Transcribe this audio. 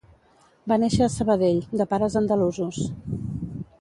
Va néixer a Sabadell , de pares andalusos